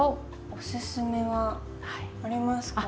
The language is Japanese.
おすすめはありますか？